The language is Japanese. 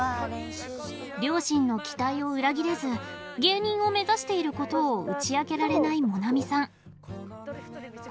両親の期待を裏切れず芸人を目指していることを打ち明けられない萌菜見さん。